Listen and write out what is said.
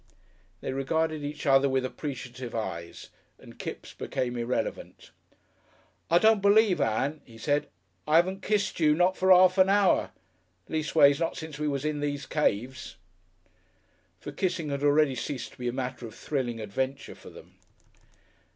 They regarded each other with appreciative eyes and Kipps became irrelevant. "I don't believe, Ann," he said, "I 'aven't kissed you not for 'arf an hour. Leastways not since we was in those caves." For kissing had already ceased to be a matter of thrilling adventure for them.